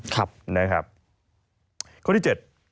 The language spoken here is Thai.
คนที่๗